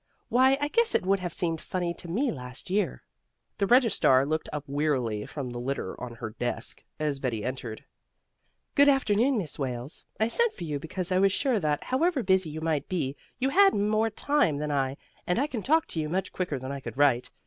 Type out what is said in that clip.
Why, I guess it would have seemed funny to me last year." The registrar looked up wearily from the litter on her desk, as Betty entered. "Good afternoon, Miss Wales. I sent for you because I was sure that, however busy you might be you had more time than I, and I can talk to you much quicker than I could write.